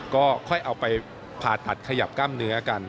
ก็ค่อยเอาไปผ่าตัดขยับกล้ามเนื้อกัน